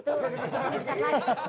itu dipercaya dipercaya lagi